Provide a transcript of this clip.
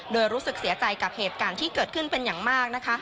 โดยรู้สึกเสียใจกับเหตุการณ์ที่เกิดขึ้นเป็นอย่างมากนะคะ